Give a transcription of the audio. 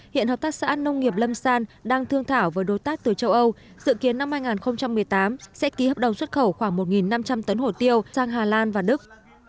hiện hợp tác xã nông nghiệp lâm san đang thương thảo với đối tác từ châu âu dự kiến năm hai nghìn một mươi tám sẽ ký hợp đồng xuất khẩu khoảng một năm trăm linh tấn hổ tiêu sang hà lan và đức